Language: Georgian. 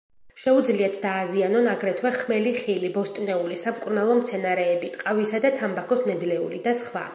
შეუძლიათ დააზიანონ აგრეთვე ხმელი ხილი, ბოსტნეული, სამკურნალო მცენარეები, ტყავისა და თამბაქოს ნედლეული და სხვა.